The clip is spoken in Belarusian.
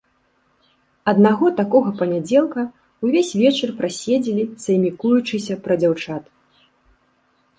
Аднаго такога панядзелка ўвесь вечар праседзелі саймікуючыся пра дзяўчат.